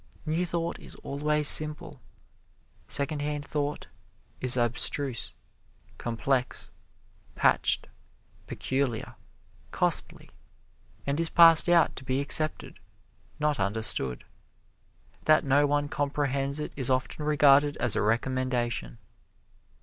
New Thought is always simple; Secondhand Thought is abstruse, complex, patched, peculiar, costly, and is passed out to be accepted, not understood. That no one comprehends it is often regarded as a recommendation.